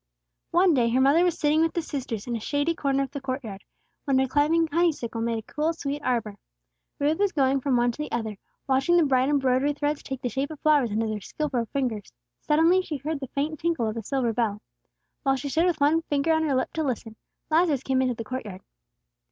One day her mother was sitting with the sisters in a shady corner of their court yard, where a climbing honeysuckle made a cool sweet arbor. Ruth was going from one to the other, watching the bright embroidery threads take the shape of flowers under their skilful fingers. Suddenly she heard the faint tinkle of a silver bell. While she stood with one finger on her lip to listen, Lazarus came into the court yard.